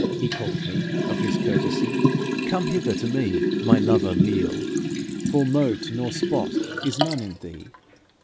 He called me of His courtesy: 'Come hither to me, my lover leal, For mote nor spot is none in thee.'